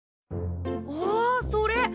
あっそれ！